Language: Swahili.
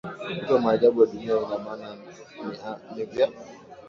kuitwa maajabu ya dunia ina maana ni vya